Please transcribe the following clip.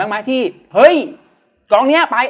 เรามีความรับใช้